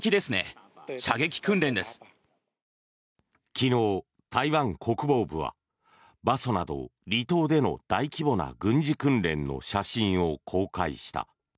昨日、台湾国防部は馬祖など離島での大規模な軍事訓練の写真を公開した。